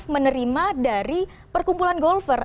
menerima dari perkumpulan golfer